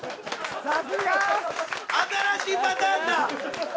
さすが！新しいパターンだ！